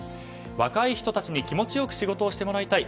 若い人たちに気持ちよく仕事をしてもらいたい。